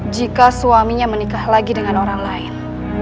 jika suaminya menikah lagi dengan orang lain